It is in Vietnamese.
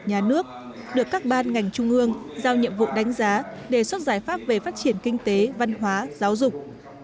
nhà nước được các ban ngành trung ương giao nhiệm vụ đánh giá đề xuất giải pháp về phát triển kinh tế văn hóa giáo dục